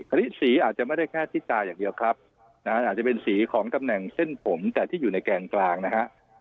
อันนี้สีอาจจะไม่ได้แค่ที่ตาอย่างเดียวครับนะฮะอาจจะเป็นสีของตำแหน่งเส้นผมแต่ที่อยู่ในแกนกลางนะฮะ